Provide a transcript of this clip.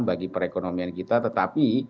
bagi perekonomian kita tetapi